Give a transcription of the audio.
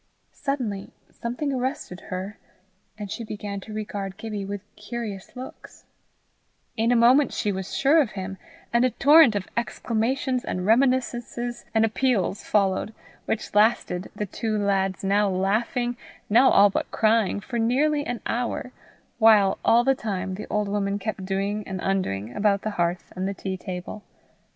Suddenly something arrested her, and she began to regard Gibbie with curious looks; in a moment she was sure of him, and a torrent of exclamations and reminiscences and appeals followed, which lasted, the two lads now laughing, now all but crying for nearly an hour, while, all the time, the old woman kept doing and undoing about the hearth and the tea table.